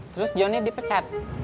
terus jonny dipecat